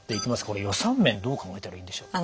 これ予算面どう考えたらいいんでしょう？